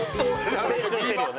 青春してるよね。